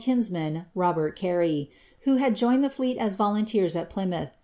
i kinsman, Robert Carey, who had joined the fleet as volunteers at Fly mouih.